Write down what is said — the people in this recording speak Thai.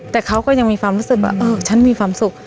แต่เขาก็ยังมีความรู้สึกว่าเออฉันมีความสุข